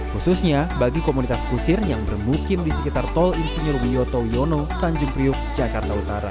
khususnya bagi komunitas kusir yang bermukim di sekitar tol insinyur wiyoto wiono tanjung priuk jakarta utara